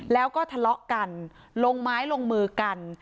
แล้วก็ทะเลาะกันลงไม้ลงมือกัน